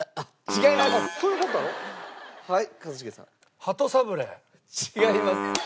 違います。